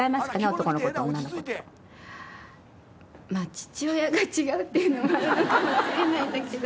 父親が違うっていうのもあるのかもしれないんだけど。